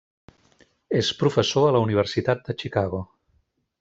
És professor a la Universitat de Chicago.